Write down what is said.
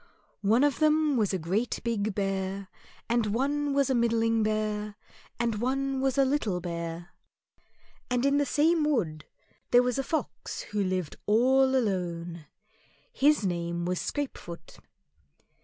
One of them was a great big Bear, and one was a middling Bear, and one was a little Bear. And in the same wood there was a Fox who lived all alone, his name was Scrapefoot.